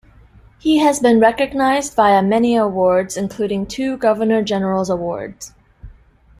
He has been recognised via many awards, including two Governor General's Awards.